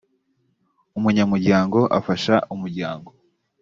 umunyamuryango afasha umuryango.